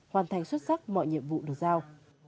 hoàn thành xuất sắc mọi nhiệm vụ được giao